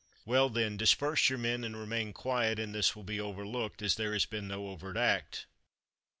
"Well, then, disperse your men, and remain quiet, and this will be overlooked, as there has been no overt act."